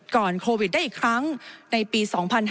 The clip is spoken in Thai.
ก่อนโควิดได้อีกครั้งในปี๒๕๗๐